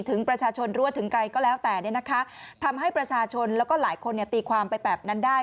ถึงประชาชนรู้ว่าถึงใครก็แล้วแต่ทำให้ประชาชนแล้วก็หลายคนตีความไปแบบนั้นได้